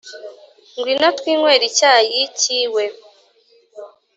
Ngwino twinywere icyayi cyiwe